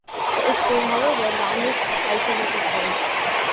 It may, however, vanish at isolated points.